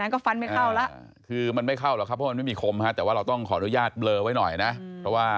ก็แค่นั้นก็ฟันไม่เข้าแล้ว